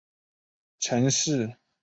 陈式坦墓的历史年代为近代。